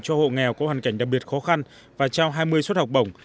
cho hộ nghèo có hoàn cảnh đặc biệt khó khăn và trao hai mươi suất học bổng